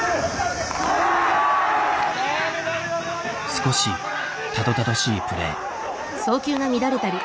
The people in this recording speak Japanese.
少したどたどしいプレー。